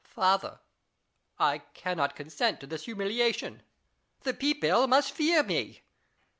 Louis. Father, I cannot consent to this humiliation : the people must fear me.